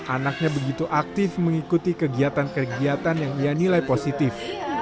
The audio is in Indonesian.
anaknya begitu aktif mengikuti kegiatan kegiatan yang ia nilai positif